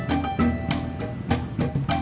maaf riches aku tak diketahui